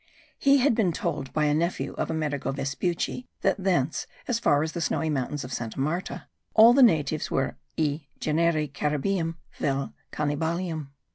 He had been told by a nephew of Amerigo Vespucci that thence, as far as the snowy mountains of St. Marta, all the natives were e genere Caribium, vel Canibalium.